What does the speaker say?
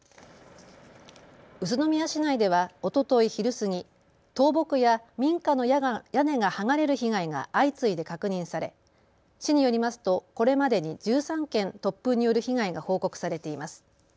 宇都宮市内ではおととい昼過ぎ、倒木や民家の屋根が剥がれる被害が相次いで確認され市によりますとこれまでに１３件、突風による被害が報告されています。